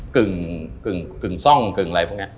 กึ่งซ่องกึ่งอะไรพวกนี้